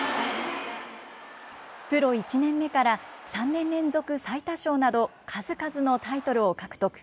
プロ１年目から３年連続最多勝など、数々のタイトルを獲得。